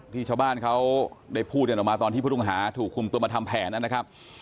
ชาวบ้านเขาได้พูดกันออกมาตอนที่ผู้ต้องหาถูกคุมตัวมาทำแผนนะครับ